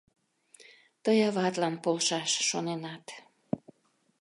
Тый аватлан полшаш шоненат.